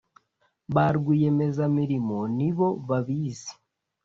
Ba rwiyemezamirimo ni bo babizi